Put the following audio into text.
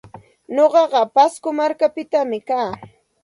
Nuqaqa Pasco markapita kaa.